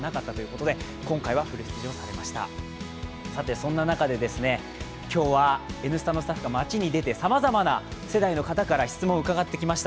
そんな中、今日は「Ｎスタ」のスタッフが街に出て、さまざまな世代の方から質問を伺ってきました。